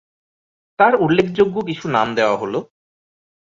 তার উল্লেখযোগ্য কিছু নাম দেওয়া হলোঃ